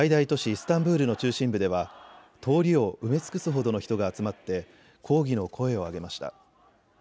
イスタンブールの中心部では通りを埋め尽くすほどの人が集まって抗議の声を上げました。